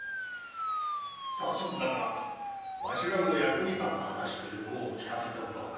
早速だがわしらの役に立つ話というのを聞かせてもらおうか。